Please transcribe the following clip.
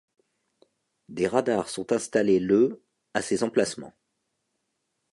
Des radars sont installés le à ces emplacements.